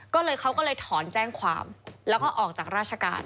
ก็เลยเขาก็เลยถอนแจ้งความแล้วก็ออกจากราชการ